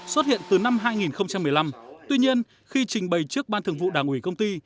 xuất hiện từ năm hai nghìn một mươi năm tuy nhiên khi trình bày trước ban thường vụ đảng ủy công ty